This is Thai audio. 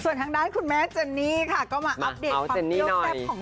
แล้วก็เอาเจนนี่หน่อย